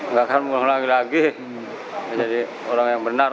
nggak akan mengulang lagi lagi jadi orang yang benar